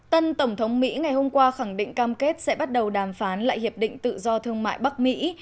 tân tổng thống mỹ ngày hôm qua khẳng định cam kết sẽ bắt đầu đàm phán lại hiệp định tự do thương mại bắc mỹ